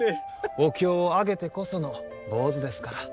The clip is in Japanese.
お経をあげてこその坊主ですから。